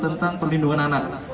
tentang perlindungan anak